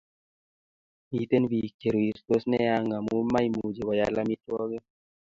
Miten pik che rirtos nea ngamu maimuche koyal amitwakik